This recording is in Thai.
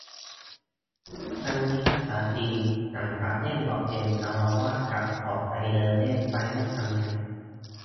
วันนี้อากาศดี หลังจากเล่นบอร์ดเกม เราว่าจะออกไปเดินเล่น ไปด้วยกันไหม